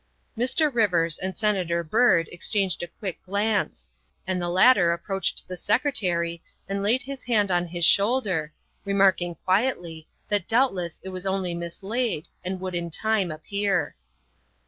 Mr. Rivers and Senator Byrd exchanged a quick glance, and the latter approached the Secretary and laid his hand on his shoulder, remarking quietly that doubt less it was only mislaid and would in time appear.